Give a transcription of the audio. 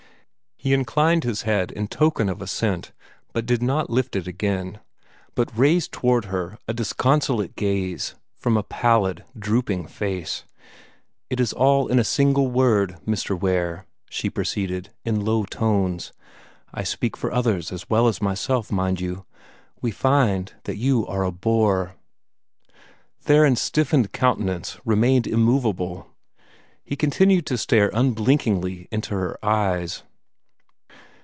He inclined his head in token of assent, and did not lift it again, but raised toward her a disconsolate gaze from a pallid, drooping face. "It is all in a single word, Mr. Ware," she proceeded, in low tones. "I speak for others as well as myself, mind you we find that you are a bore." Theron's stiffened countenance remained immovable. He continued to stare unblinkingly up into her eyes.